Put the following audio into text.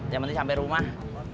jangan sampai rumah